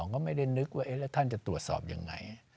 ก็ไม่ได้นึกว่าแล้วท่านจะตรวจสอบยังไง